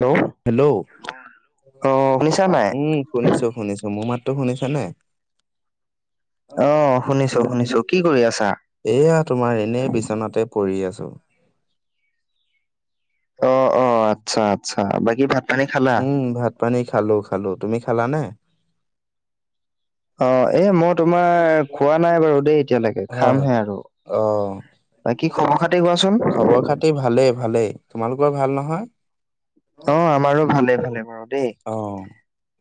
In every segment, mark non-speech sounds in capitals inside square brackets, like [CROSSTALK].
Hello hello অ শুনিছা নাই উম। শুনিছোঁ, শুনিছোঁ। মোৰ মাতটো শুনিছা, নে? অ, শুনিছো, শুনিছো। কি কৰি আছা? এইয়া, তোমাৰ। এনেই বিচনাতে পৰি আছোঁ। অঁ, অঁ। আচ্ছা, আচ্ছা। বাকী, ভাত-পানী খালা? উম ভাত পানী খালোঁ, খালোঁ। তুমি খালা, নে? অঁ, এই। মই, তোমাৰ, খোৱা নাই বাৰু, দেই। এতিয়ালৈকে, হয়। খামহে, আৰু অ বাকী, খবৰ-খাতি কোৱাচোন। খবৰ খাতি ভালেই, ভালেই। তোমালোকৰ ভাল, নহয়? অঁ, আমাৰো ভালে-ভালে বাৰু, দেই। অঁ।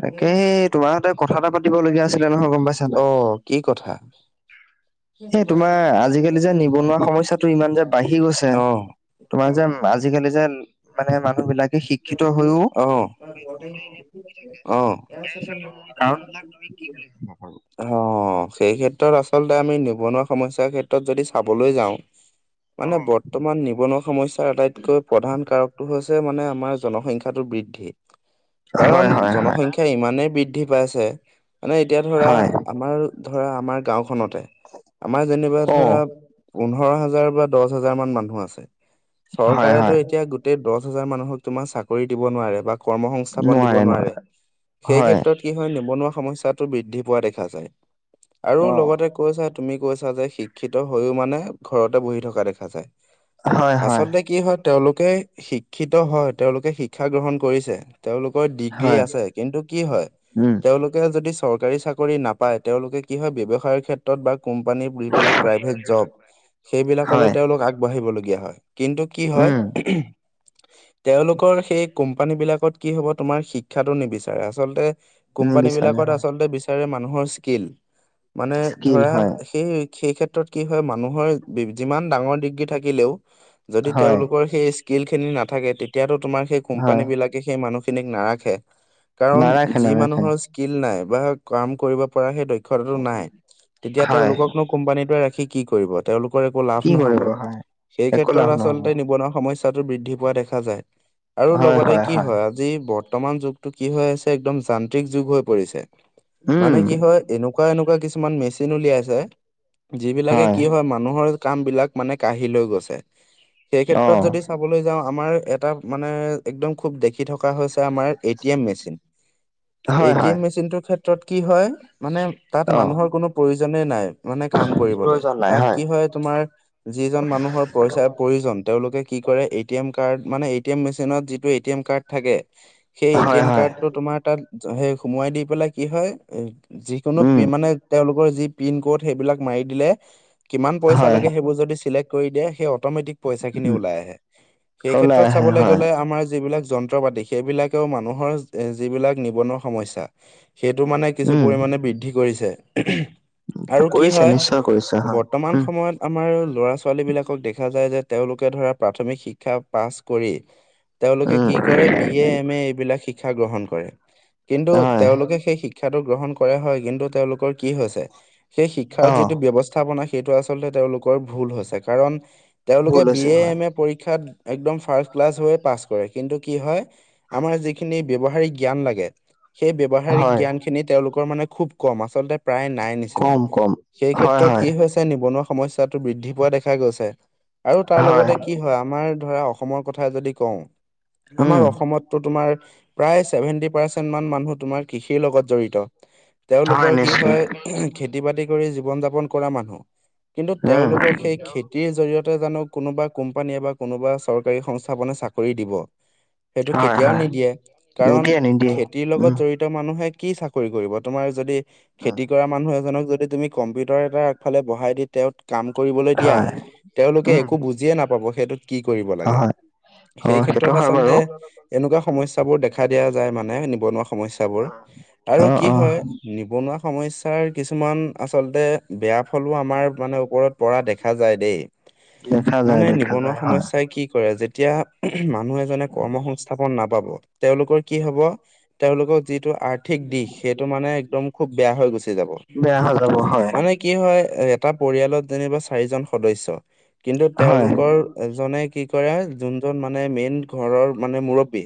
তাকে, সেই, তোমাৰ সৈতে কথা এটা পাতিবলগীয়া আছিলে, নহয়? গম পাইছা, অ নাই? কি কথা [UNINTELLIGIBLE] সেই, তোমাৰ। আজিকালি যে নিবনুৱা সমস্যাটো ইমান যে বাঢ়ি গৈছে, অ তোমাক যে আজিকালি যে, মানে, মানুহবিলাকে শিক্ষিত হয়ও, অ [INAUDIBLE] বহি থাকে। অ ইয়াৰ, আচলতে, মোৰ বিলাক। তুমি কি বুলি ভাব, বাৰু? অঁ, সেই ক্ষেত্ৰত, আচলতে মানে বাৰু অ বৰ্তমান নিবনুৱা সমস্যাৰ আটাইতকৈ প্ৰধান কাৰকটো হৈছে মানে আমাৰ জনসংখ্যাটো বৃদ্ধি। কাৰণ হয় হয় হয় জনসংখ্যা ইমানেই বৃদ্ধি পাইছে। মানে এতিয়া ধৰা হয় আমাৰ ধৰা আমাৰ গাঁওখনতে, আমাৰ যেনিবা অ ধৰা পোন্ধৰ হাজাৰ বা দহ হাজাৰ মান মানুহ আছে। হয় চৰকাৰেটো হয় এতিয়া গোটেই দহ হাজাৰ মানুহক তোমাৰ চাকৰি দিব নোৱাৰে। বা কৰ্ম সংস্থাপন দিব নোৱাৰে। সেই হয় ক্ষেত্ৰত কি হয় নিবনুৱা সমস্যাটো বৃদ্ধি পোৱা দেখা যায়। আৰু অ লগতে কৈছে, তুমি কৈছা যে শিক্ষিত হৈও মানে ঘৰতে বহি থকা দেখা যায়। হয় হয় আচলতে কি হয়। তেওঁলোকে শিক্ষিত হয়। তেওঁলোকে শিক্ষা গ্ৰহণ কৰিছে। তেওঁলোকৰ ডিগ্ৰী হয় আছে। কিন্তু কি হয়, উম তেওঁলোক সেয়া যদি চৰকাৰী চাকৰি নাপায় তেওঁলোকে কি হয় ব্যৱসায়ৰ ক্ষেত্ৰত বা কোম্পানী যিবিলাক, প্ৰাইভেট জব। হয় সেইবিলাকলৈ তেওঁলোক আগবাঢ়িবলগীয়া হয়। কিন্তু কি উম হয়। তেওঁলোকৰ সেই কোম্পানী বিলাকত কি হ'ব, তোমাৰ শিক্ষাটো নিবিচাৰে। আচলতে কোম্পানী নিবিচাৰে বিলাকত হয় আচলতে বিচাৰে মানুহৰ স্কিল। মানে স্কিল ধৰা, হয় সেই, সেই ক্ষেত্ৰ ত্ৰত কি হয় মানুহৰ যিমান ডাঙৰ ডিগ্ৰী থাকিলেও। যদি হয় তেওঁলোকৰ সেই, স্কিল খিনি নাথাকে তেতিয়াতো তোমাৰ সেই, হয় কোম্পানী বিলাকে সেই মানুহখিনিক নাৰাখে। কাৰণ নাৰাখে যি নাৰাখে মানুহৰ স্কিল নাই বা কাম কৰিব পৰা সেই দক্ষতাটো নাই। তেতিয়া হয় তেওঁলোককনো কোম্পানীটোৱে ৰাখি কি কৰিব। তেওঁলোকৰ একো লাভ কি ন'হব। কৰিব হয় সেই একো ক্ষেত্ৰত লাভ নহব আচলতে, নিবনুৱা সমস্যা টো বৃদ্ধি পোৱা দেখা যায়। আৰু লগতে কি হয়, যি বৰ্তমান যুগতটো কি হৈ আছে একদম যান্ত্ৰিক যুগ হৈ পৰিছে। উম মানে কি হয় এনেকুৱা এনেকুৱা কিছুমান মেচিন উলিয়াইছে। যি বিলাকে কি হয় মানুহৰ কাম বিলাক মানে কাঢ়ি লৈ গৈছে। সেই অ ক্ষেত্ৰত যদি চাবলৈ যাওঁ আমাৰ এটা মানে এক্দম খুব দেখি থকা হৈছে। আমাৰ A T M machine. A হয় টি হয় এম মেচিন ৰ ক্ষেত্ৰত কি হয় মানে। তাত অ মানুহৰ কোনো প্ৰয়োজনেই নাই। মানে কাম কৰিবলৈ। প্ৰয়োজন নাই তাত কি হয় তোমাৰ। যিজন মানুহৰ পইচা প্ৰয়োজন তেওঁলোকে কি কৰে এ টি এম কাৰ্ড মানে, এ টি এম মেচিনত যিটো এ টি এম কাৰ্ড থাকে। সেই এ টি হয় এম হয় কাৰ্ডটো তোমাৰ তাত সেই সোমোৱাই দি পেলাই কি হয়। যিকোনো উম মানে তেওঁলোকৰ যি পিন ক'ড সেইবিলাক মাৰি দিলে। কিমান পইচা হয় লাগে সেইবোৰ চিলেক্ট কৰি দিয়ে সেই অট'মেটিক পইচা খিনি উম ওলায়। সেই ওলাই ক্ষেত্ৰত আহে চাবলৈ হয় গ'লে আমাৰ যিবিলাক যন্ত্ৰ-পাতি। সেইবিলাকেও মানুহৰ যিবিলাক নিবনুৱ সমস্যা সেইটো মানে উম কিছুপৰিমানে বৃদ্ধি কৰিছে। আৰু কি কৰিছে হয়, নিশ্চয় কৰিছে হয় বৰ্তমান উম সময়ত আমাৰ ল'ৰা-ছোৱালী বিলাকক দেখা যায় যে, তেওঁলোকে ধৰা প্ৰাথমিক শিক্ষা পাছ কৰি। তেওঁলোকে উম, কি কৰে বি এ, এম এ, এইবিলাক শিক্ষা গ্ৰহণ কৰে। কিন্তু হয় তেওঁলোকে সেই শিক্ষাটো গ্ৰহণ কৰা হয়। কিন্তু তেওঁলোকৰ কি হৈছে। সেই শিক্ষাৰ অ', যিটো ব্যবস্থা স্থাপনা সেইটো আচলতে তেওঁলোকৰ ভুল হৈছে। কাৰণ তেওঁলোকে ভুল বি হৈছে এ, হয়। এম এ, পৰীক্ষাত একদম ফাৰ্ষ্ট ক্লাছ হৈ পাছ কৰে। কিন্তু কি হয় আমাৰ যিখিনি ব্যৱহাৰিক জ্ঞান লাগে। সেই ব্যৱহাৰিক হয়, জ্ঞান খিনি তেওঁলোকৰ মানে খুব কম আচলতে প্ৰায় নাই নিচিনা। কম কম সেই হয় ক্ষেত্ৰত হয় কি হৈছে নিবনুৱা সমস্যা টো বৃদ্ধি পোৱা দেখা গৈছে। আৰু তাৰ হয় লগতে কি হয় আমাৰ ধৰা অসমৰ কথা যদি কওঁ। আমাৰ উম, অসমতটো তোমাৰ প্ৰায় চছেভেন্টি পাৰ্চেন্ট মান মানুহ তোমাৰ কৃষিৰ লগত জড়িত। হয় তেওঁলোকৰ কি নিশ্চয় হয় খেতি বাতি। জীৱন যাপন কৰা মানুহ কিন্তু উম, তেওঁলোকক সেই খেতিৰ জৰিয়তে জানো কোনোবা। কোম্পানীয়ে বা কোনোবা চৰকাৰী সংস্থাপনে চাকৰি দিব? সেইটো হয় কেতিয়াও হয় নিদিয়ে কাৰণ নিদিয়ে নিদিয়ে খেতিৰ লগত উম, জড়িত। মানে কি চাকৰি কৰিব তোমাৰ যদি খেতি কৰা মানুহ এজনক যদি তুমি। কম্পিউটাৰ এটাৰ আগফালে বহাই দি তেওঁক কাম কৰিবলৈ দিয়া হয় তেওঁলোকে উম, একো বুজিয়ে নাপা। পাব সেইটোত কি কৰিব লাগে হয় সেই অ', সেইটো ক্ষেত্ৰত হয় আচলতে বাৰু এনেকুৱা সমস্যাবোৰ দেখা দিয়া যায় মানে নিবনুৱা সমস্যাবোৰ আৰু অ', কি অ', হয় নিবনুৱা সমস্যাৰ কিছুমান আচলতে বেয়া ফলো আমাৰ মানে ওপৰত পৰা দেখা যায় দেই দেখা যায় মানে দেখা নিবনুৱা যায় হয়। সমস্যাএ কি কৰে যেতিয়া মানুহ এজনে কৰ্ম সংস্থাপন নাপাব তেওঁলোকৰ কি হব তেওঁলোকক। যিটো আৰ্থিক দিশ সেইটো মানে একদম খুব বেয়া হৈ গুচি যাব বেয়া হৈ যাব হয় মানে। কি হয় এটা পৰিয়ালত যেনিবা চাৰিজন সদস্য কিন্তু হয় তেওঁলোকৰ। এজনে কি কৰে যোনজন মানে মেইন ঘৰৰ মানে মুৰব্বী।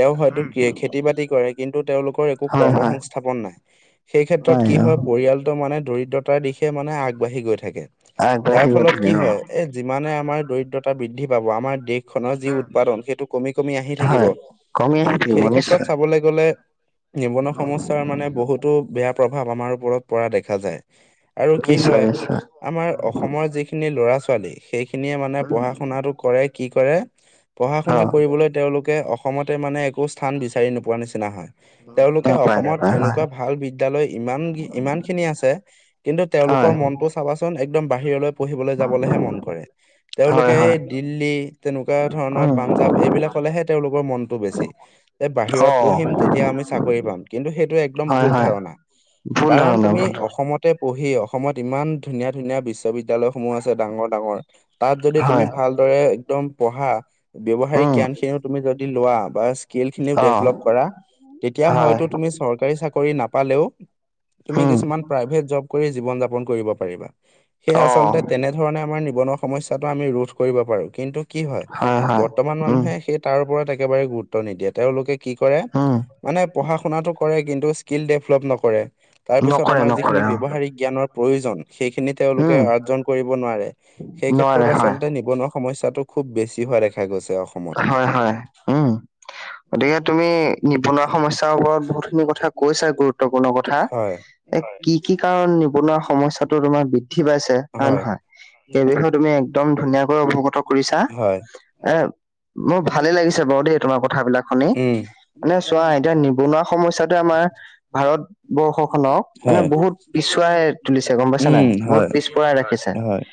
তেওঁ হয়তো খেতি বাতি কৰে কিন্তু তেওঁলোকৰ একো হয় কৰ্ম হয় সংস্থাপন নাই। সেই নাই ক্ষেত্ৰত কি অ', হয় পৰিয়ালটো মানে দৰিদ্ৰতাৰ দিশে মানে আগবাঢ়ি গৈ থাকে। যাৰ আগবাঢ়ি গৈ ফলত থাকে কি অ', হয় এ যিমানে আমাৰ দৰিদ্ৰতা বৃদ্ধি পাব আমাৰ দেশ। খনৰ যি উৎপাদন সেইটো কমি কমি আহি থাকিব। হয় কমি আহি থাকিব সেই ক্ষেত্ৰত নিশ্চয় চাবলৈ গলে। নিবনুৱা সমস্যাৰ মানে বহুতো বেয়া প্ৰভাৱ আমাৰ ওপৰত পৰা দেখা যায়। আৰু কি নিশ্চয় হয় নিশ্চয় আমাৰ অসমৰ যিখিনি ল'ৰা ছোৱালী। সেইখিনিয়ে মানে পঢ়া শুনাাতটো কৰে কি কৰে পঢ়া শুনা অ', কৰিবলৈ। তেওঁলোকে অসমতে মানে একো স্থান বিচাৰি নোপোৱাৰ নিচিনা হয়। তেওঁলোকে নাপায় অসমত নাপায় হয় এনেকুৱা ভাল বিদ্যালয় ইমান ইমান খিনি আছে। কিন্তু তেওঁলোকৰ হয়। মনটো চাবাচোন একদম বাহিৰলৈ পঢ়িবলৈ যাবলৈহে মন কৰে। হয় তেওঁলোকে সেই হয় দিল্লী তেনেকুৱা ধৰণৰ উম পাঞ্জাৱ এইবিলাক হলেহে তেওঁলোকৰ মনটো বেছি। যে অ বাহিৰত পঢ়িম তেতিয়া আমি চাকৰি পাম কিন্তু সেইটো একদম হয় ভুল হয় ধাৰণা। ভুল কাৰণ ধাৰণা তুমি ভুল অসমত। পঢ়ি অসমত ইমান ধুনীয়া ধুনীয়া বিশ্ববিদ্যা লয়সমূহ আছে ডাঙৰ ডাঙৰ। তাত যদি তুমি হয় ভালদৰে এক্দম পঢ়া ব্যৱহাৰিক উম জ্ঞান খিনিও তুমি যদি। লোৱা বা স্কিল খিনিও অ ডেভলপ কৰা তেতিয়া হয় হয়তো তুমি চৰকাৰী চাকৰি নাপালেও। তুমি উম কিছুমান প্ৰাইভেট জব কৰি জীৱন যাপন কৰিব পাৰিবা। সেই অ আচলতে তেনেধৰণে আমাৰ নিবনুৱা সমস্যায়াটো আমি ৰোধ কৰিব পাৰো কিন্তু। কি হয় হয় বৰ্তমান উম মানুহে সেই তাৰ ওপৰত একেবাৰে গুৰুত্ব নিদিয়ে তেওঁলোকে। কি কৰে উম মানে পঢ়া শুনাটো কৰে কিন্তু স্কিল ডভলপ নকৰে। তাৰ পিছত নকৰে আমাৰ নকৰে যিখিনি অ ব্যৱহাৰিক জ্ঞানৰ প্ৰয়োজন সেইখিনি তেওঁলোকে উম অৰ্জন কৰিব নোৱাৰে। এই নোৱাৰে ক্ষেত্ৰত হয় আচলতে নিবনুৱা সমস্যাটো খুব বেছি হোৱা দেখা গৈছে। অসমত। হয় হয় উম। গতিকে তুমি নিবনুৱা সমস্যাৰ ওপৰত বহুতখিনি কথা কৈছা গুৰুত্বপূৰ্ণ কথা। হয়, এ কি কি কাৰণ নিবনুৱা সমস্যাটো তোমাৰ বৃদ্ধি পাইছে হয়ে হয়, নহয়? সেই বিষয়ে তুমি একদম ধুনীয়াকৈ অৱগত কৰিছা হয়, এ। মোৰ ভালে লাগিছে বাৰু দেই তোমাৰ কথাবিলাক শুনি উম, মানে চোৱা এতিয়া নিবনুৱা সমস্যাতে আমাৰ। ভাৰতবৰ্ষ খনক মানে হয়। বহুত পিছুৱাই তুলিছে গম পাইছা নে উম, বহুত হয়, পিছ। পৰাই ৰাখিছে হয়।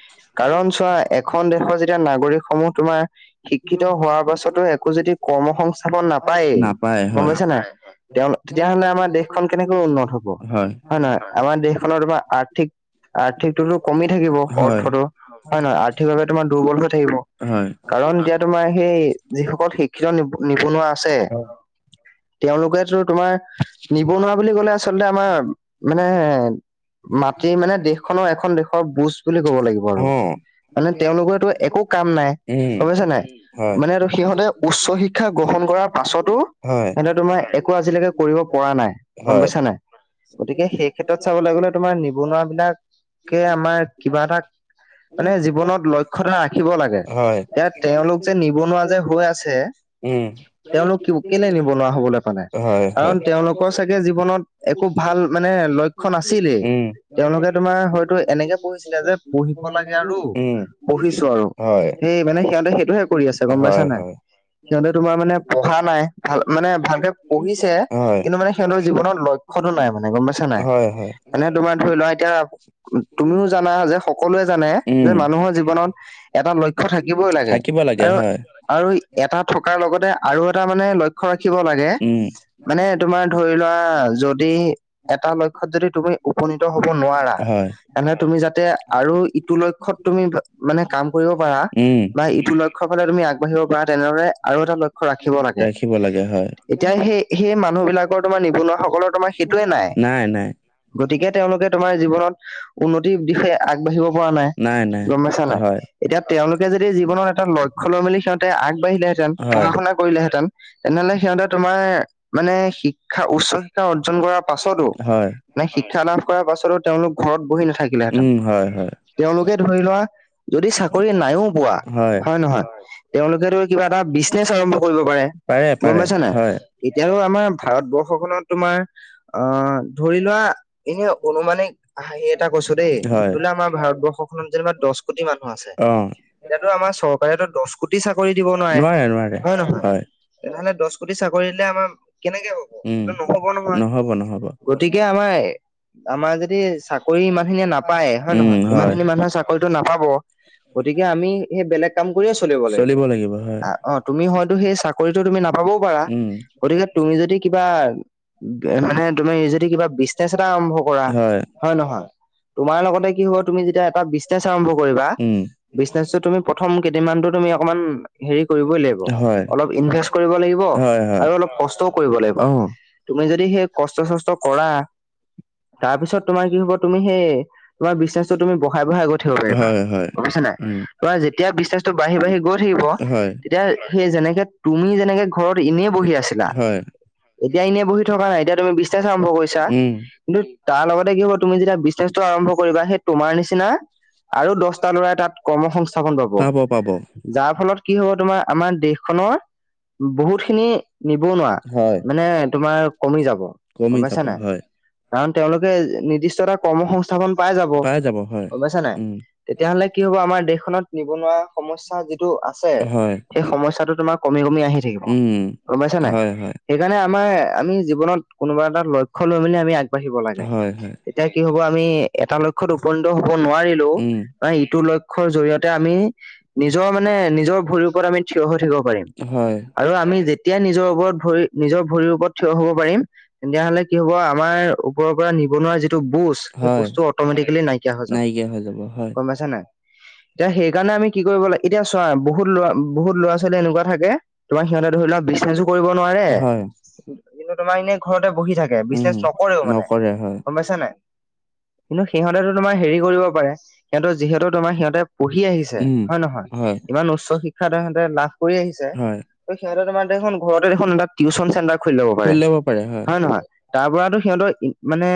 কাৰণ চোৱা এখন দেশৰ যেতিয়া নাগৰিক সমূহ তোমাৰ। শিক্ষিত হোৱাৰ পাছতো একো যদি কৰ্ম সংস্থাপন নাপায়েই নাপায় গম হয়, পাইছা না? তেওঁ তেতিয়াাহলে আমাৰ দেশখন কেনেকৈ উন্নত হ'ব হয় নে নহয় আমাৰ দেশখননৰ তোমাৰ আৰ্থিক আৰ্থিকটোতো কমি থাকিব হয়, অৰ্থটো হয়ে নহয়, আৰ্থিকভাৱে তোমাৰ দুৰ্বল হৈ থাকিব হয়, কাৰণ এতিয়া তোমাৰ সেই যিস শিক্ষিত নিবনুৱা আছে তেওঁলোকেতো তোমাৰ নিবনুৱা বুলি ক'লে আচলতে আমাৰ মানে মাটি মানে, দেশখনৰ এখন দেশৰ বুজ বুলি ক'ব লাগিব আৰু অ', মানে, তেওঁলোকৰটো একো কাম নাই, উম, গম পাইছা নাই। হয়। মানেটো সিহঁতে উচ্চ শিক্ষা গ্ৰহণ কৰাৰ পাছতো, হয়। সিহঁতে তোমাৰ একো আজিলৈকে কৰিব পৰা নাই, গম হয়, পাইছা নাই। গতিকে সেই ক্ষেত্ৰত চাবলৈ গ'লে তোমাৰ নিবনুৱা বিলাক কে আমাৰ কিবা এটা মানে জীৱনত লক্ষয়তা ৰাখিব লাগে হয়, ইয়াত। তেওঁলোক যে নিবনুৱা যে হৈ আছে। উম। তেওঁলোক কেলে নিবনুৱা হবলৈ পালে, হয় কাৰণ হয় তেওঁলোকৰ চাগে জীৱনত একো ভাল মানে লক্ষ্য নাছিলেই, উম তেওঁলোকে তোমাৰ হয়তো এনেকে পঢ়িছিলে যে পঢ়িব লাগে আৰু, উম পঢ়িছো আৰু, হয় সেই মানে সিহঁতে সেইটোহে কৰি আছে গম পাইছা হয় নাই। হয় সিহঁতে তোমাৰ মানে পঢ়া নাই, ভাল মানে ভালকে পঢ়িছে। হয় কিন্তু মানে সিহঁতৰ জীৱনত লক্ষ্যতো নাই মানে গম পাইছা নাই, হয় হয় মানে তোমাৰ ধৰি লোৱা এতিয়া তুমিও জানা যে সকলোৱে জানে, যে উম মানুহৰ জীৱনত এটা লক্ষ্য থাকিবই লাগে। থাকিব আৰু হয় আৰু এটা থকাৰ লগতে আৰু এটা মানে লক্ষ্য ৰাখিব লাগে। উম মানে তোমাৰ ধৰি লোৱা যদি, এটা লক্ষ্যত যদি তুমি উপনীত হব নোৱাৰা, হয় তেনে তুমি যাতে আৰু ইটো লক্ষ্যত তুমি মানে কাম কৰিব পাৰা উম বা ইটো লক্ষ্যৰ ফালে তুমি আগবাঢ়িব পাৰা তেনেদৰে আৰু এটা লক্ষ্য ৰাখিব লাগে। ৰাখিব লাগে হয় এতিয়া সেই সেই মানুহবিলাকৰ তোমাৰ নিবনুৱাসকলৰ তোমাৰ সেইটোয়ে নাই। গতিকে তেওঁলোকে তোমাৰ জীৱনত উন্নতিৰ দিশে আগবাঢ়িব পৰা নাই। গম পাইছা নে নাই হয় এতিয়া তেওঁলোকে যদি জীৱনত এটা ল লক্ষ্য লম বুলি সিঁহতে আগবাঢ়িলেঁতেন হয় পঢ়া-শুনা কৰিলেহেঁতেন তেনেহলে সিহঁতে তোমাৰ মানে শিক্ষা উচ্চ শিক্ষা অৰ্জন কৰাৰ পাছতো হয়। নাই শিক্ষালাভ কৰাৰ পাছতো তেওঁলোক ঘৰত বহি নাথাকে। থাকিলেহেঁতেন উম হয় হয় তেওঁলোকে ধৰি লোৱা যদি চাকৰি নাইও পোৱা হয় নে নহয়। তেওঁলোকেতো কিবা এটা বিজনেচ আৰম্ভ কৰিব পাৰে, গম পাৰে পাইছ নে। হয় এতিয়াতো আমাৰ ভাৰতবৰ্ষখনত তোমাৰ আহ ধৰি লোৱা এনে অনুমানিক হাঁহি এটা কৈছো দেই, হয় বোলে আমাৰ ভাৰতবৰ্ষক জিলাত দহ কোটি মানুহ আছে অ এতিয়াতো আমাৰ চৰকাৰে দহ কোটি চাকৰি দিব নোৱাৰে হয় নে নহয়। তেনেহলে দহ কোটি চাকৰি দিলে আমাৰ কেনেকে হ'ব। উম, সেইটো নহ'ব নহয় নহব ন। গতিকে আমাৰ এ আমাৰ যদি চাকৰি ইমান খিনিয়ে নাপায় হয় উম হয় নে নহয়। গতিকে আমি এই বেলেগ কাম কৰিয়ে চলিব লাগিব, আহ। অ, তুমি হয়তো সেই চাকৰিতটো তুমি নাপাবও পাৰা উম গতিকে তুমি যদি কিবা, মানে তুমি যদি কিবা বি নেচ এটা আৰম্ভ কৰা হয় নে নহয়। তোমাৰ লগতে কি হ'ব তুমি যেতিয়া এটা বিজনেচ আৰম্ভ কৰিবা। উম মানতো তুমি অকণমান হেৰি কৰিবই লাগিব, হয় অলপ ইনভেস্ট কৰিব লাগিব হয় হয় আৰু। অলপ কষ্টও কৰিব লাগিব। অ তুমি যদি সেই কষ্ট-চষ্ট কৰা। তাৰ পিছত তোমাৰ কি হ'ব তুমি সেই তোমাৰ বিজনেছো তুমি বঢ়ায় বঢ়ায় গৈ থাকিব পাৰিবা হয় হয় বুজিছা নে নাই। উম বা যেতিয়া বিজনেছটো বাঢ়ি বাঢ়ি গৈ থাকিব, হয় তেতিয়া সেই যেনেকে তুমি যেনেকে ঘৰত এনেই বহি আছিলা হয় এতিয়া এনেই বহি থকা নাই, এতিয়া তুমি বিজনেছ আৰম্ভ কৰিছা। উম কিন্তু তাৰ লগতে কি হ'ব তুমি যেতিয়া বিজনেচটো আৰম্ভ কৰিবা সেই তোমাৰ নিচিনা আৰু দহটা ল'ৰাই তাত কৰ্ম সংস্থাপন পাব। যাৰ ফলত কি হব তোমাৰ আমাৰ দেশখনৰ বহুত খিনি নিবনুৱা হয় মানে তোমাৰ কমি যাব গম কমি পাইছা যাব নে নাই? হয় কাৰণ তেওঁলোকে নিৰ্দিষ্ট এটা কৰ্ম সংস্থাপন পাই যাব গম পাইছা নে নাই? তেতিয়াাহ'লে কি হব আমাৰ দেশখনত নিবনুৱা সমস্যা যিটো আছে হয় সেই সমস্যাটো তোমাৰ কমি কমি আহি থাকিব উম গম পাইছা নে নাই? হয় হয় সেইকাৰণে আমাৰ আমি জীৱনত কোনোবা এটা লক্ষ্য লৈ মেলি আমি আগবাঢ়িব লাগে হয় হয় এতিয়া কি হব আমি এটা লক্ষ্যত উপনীত হব নোৱাৰিলেও উম বা ইটো লক্ষ্যৰ জৰিয়তে আমি নিজৰ মানে নিজৰ ভৰিৰ ওপৰত আমি থিয় হৈ থাকিব পাৰিম। হয়। আৰু আমি যেতিয়া নিজৰ ওপৰত-ভৰি নিজৰ ভৰিৰ ওপৰত থিয় হব পাৰিম তেতিয়া হ'লে কি হব আমাৰ ওপৰৰ পৰা নিবনুৱা যিটো বুজ সেই হয় বুজটো অটমেটিকেলি নাইকিয়া হৈ যাব হৈ যাব হয় গম পাইছা নাই? এতিয়া সেইকাৰণে আমি কি কৰিব লাগে এতিয়া চোৱা বহুত লৰা বহুত লৰা ছোৱালী এনেকুৱা থাকে তোমাৰ সিহঁতে ধৰি লোৱা বি কৰিব নোৱাৰে হয় কিন্তু তোমাৰ এনে ঘৰতে বহি থাকে। উম বিশ্বাস নকৰেও মানে নকৰে হয় গম পাইছা নে নাই? কিন্তু সিহঁতেটো তোমাৰ হেৰি কৰিব পাৰে, সিহঁতৰ যিহেতু তোমাৰ সিহঁতে পঢ়ি আহিছে। উম হয় নহয় হয় ইমান উচ্চ শিক্ষা তাহেতে লাভ কৰি আহিছে। হয় ত', সিহঁতে তোমাৰ দেখোন ঘৰতে দেখোন এটা টিউচন চেণ্টাৰ খুলি ল'ব পাৰে হয় নে নহয়? তাৰ পৰাতো সিহঁতৰ মানে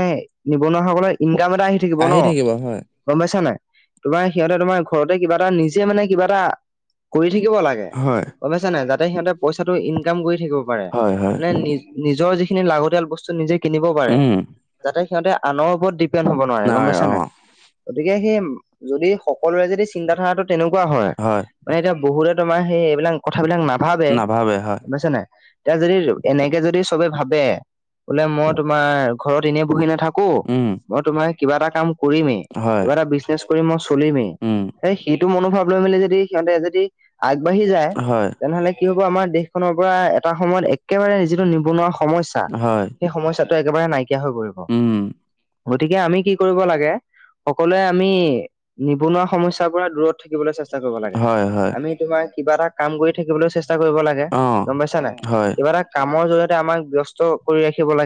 নিবনুৱাসকলৰ ইনকাম এটা আহি থাকিব ন? গম পাইছা নাই তোমাৰ সিহঁতে তোমাৰ ঘৰতে কিবা এটা নিজে মানে কিবা এটা কৰি থাকিব লাগে। হয় গম পাইছা নে নাই যাতে সিহঁতে পইচাটো ইনকাম কৰি থাকিব পাৰে হয় হয় মানে নি নিজৰ যিখিনি লাগতিয়াল বস্তু নিজে কিনিব পাৰে উম যাতে সিহঁতে আনৰ ওপৰত ডিপেণ্ড হ'ব নোৱাৰে গম পাইছা নাই, গতিকে সেই যদি সকলোৰে যদি চিন্তা ধাৰা তেনেকুৱা হয় মানে এতিয়া বহুতে তোমাৰ সেই এইবিলাক কথা বিলাক না নাভাবে গম পাইছা নে নাই? এতিয়া যদি এনেকে যদি চবে ভাবে বোলে মই তোমাৰ ঘৰত এনেই বহি নাথাকোঁ কো, উম মই তোমাৰ কিবা এটা কাম কৰিমে হয় কিবা এটা বিজনেচ কৰি মই চলিমেই উম এইটো মনোভাৱ লৈ মেলি যদি সিহঁতে যদি আগবাঢ়ি যায় হয় তেনেহ'লে কি হব আমাৰ দেশ দেশখনৰ পৰা এটা সময়ত একেবাৰে যিটো নিবনুৱা সমস্যা হয় সেই সমস্যাটো একেবাৰে নাইকিয়া হৈ পৰিব উম গতিকে আমি কি কৰিব লাগে সকলোৱে আমি নিবনুৱা সমস্যা দূৰত থাকিবলৈ চেষ্টা কৰিব লাগে হয় হয় আমি তোমাৰ কিবা এটা কাম কৰি থাকিবলৈ চেষ্টা কৰিব লাগে। অ গম পাইছা নাই হয় কিবা এটা কামৰ জৰিয়তে আমাক ব্যস্ত কৰি ৰাখিব লাগে।